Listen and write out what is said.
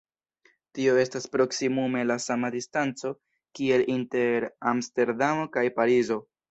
Tio estas proksimume la sama distanco kiel inter Amsterdamo kaj Parizo.